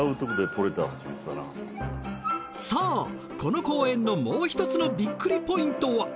そうこの公園のもうひとつのビックリポイントは。